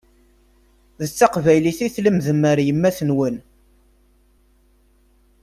D taqbaylit i tlemdem ar yemma-twen.